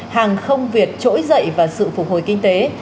hàng không việt trỗi dậy và sự phục hồi kinh tế